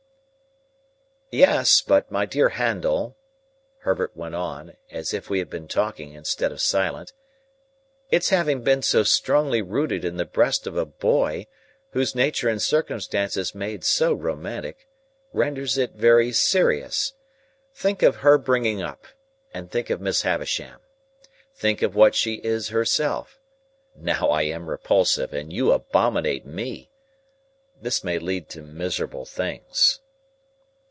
"Yes; but my dear Handel," Herbert went on, as if we had been talking, instead of silent, "its having been so strongly rooted in the breast of a boy whom nature and circumstances made so romantic, renders it very serious. Think of her bringing up, and think of Miss Havisham. Think of what she is herself (now I am repulsive and you abominate me). This may lead to miserable things."